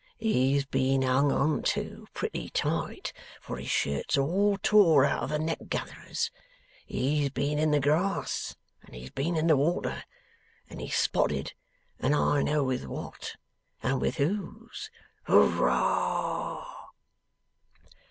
He's been hung on to, pretty tight, for his shirt's all tore out of the neck gathers. He's been in the grass and he's been in the water. And he's spotted, and I know with what, and with whose. Hooroar!